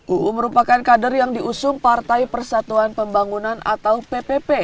uu merupakan kader yang diusung partai persatuan pembangunan atau ppp